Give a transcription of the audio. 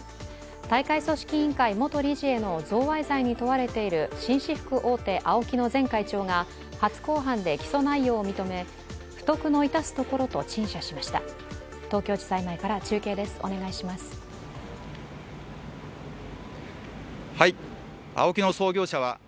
大会組織委員会元理事への贈賄罪に問われている紳士服大手・ＡＯＫＩの前会長が初公判で起訴内容を認め不徳のいたすところと陳謝しました。